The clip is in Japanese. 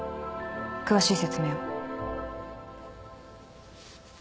詳しい説明を。